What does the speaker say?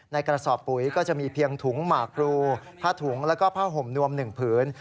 กระสอบปุ๋ยก็จะมีเพียงถุงหมากรูผ้าถุงแล้วก็ผ้าห่มนวม๑ผืน